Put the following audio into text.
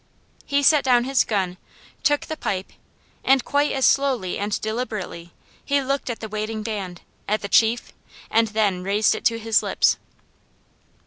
He set down his gun, took the pipe and quite as slowly and deliberately he looked at the waiting band, at the chief, and then raised it to his lips.